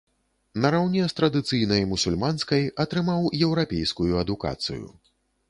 Нараўне з традыцыйнай мусульманскай атрымаў еўрапейскую адукацыю.